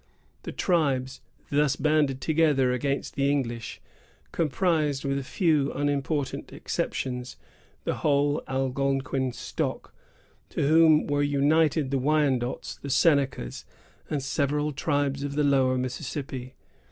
The tribes, thus banded together against the English, comprised, with a few unimportant exceptions, the whole Algonquin stock, to whom were united the Wyandots, the Senecas, and several tribes of the lower Mississippi.